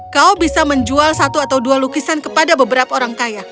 kau bisa menjual satu atau dua lukisan kepada beberapa orang kaya